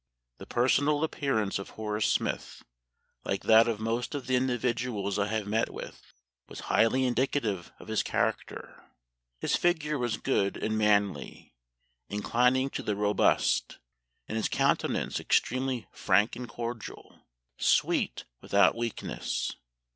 The personal appearance of Horace Smith, like that of most of the individuals I have met with, was highly indicative of his character. His figure was good and manly, inclining to the robust; and his countenance extremely frank and cordial; sweet without weakness.